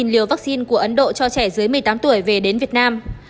hai trăm linh liều vaccine của ấn độ cho trẻ dưới một mươi tám tuổi về đến việt nam